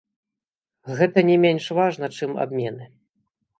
Гэта не менш важна, чым абмены.